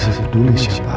ya bukan urusan urusan pak